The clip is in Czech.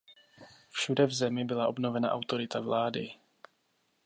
Všude v zemi byla obnovena autorita vlády.